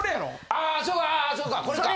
あそうかこれか。